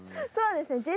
そうですね。